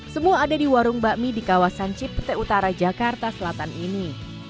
semua ada di warung bakmi di kawasan cipte utara jakarta selatan ini